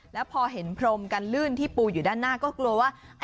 แล้วพอเห็นพรมกันลื่นที่ปูอยู่ด้านหน้าก็กลัวว่า